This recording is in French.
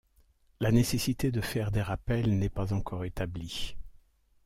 La nécessité de faire des rappels n'est pas encore établie.